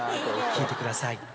聴いてください。